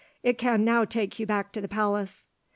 "It can now take you back to the palace."